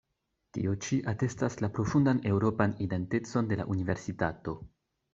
Tio ĉi atestas la profundan eŭropan identecon de la Universitato.